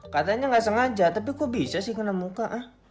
katanya nggak sengaja tapi kok bisa sih kena muka